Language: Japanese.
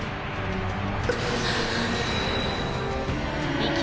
生きろ。